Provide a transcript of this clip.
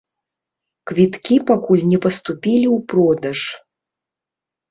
Квіткі пакуль не паступілі ў продаж.